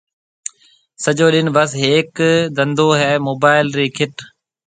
سجو ڏِن بس ھيَََڪ دنڌو ھيََََ موبائل رِي کِٽ